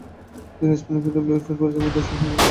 তিনি স্পেনের পিডব্লিউডি-এর পরিচালকের পদে আসীন ছিলেন।